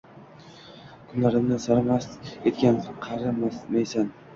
Kunlarimni sarmast etgan qari maysan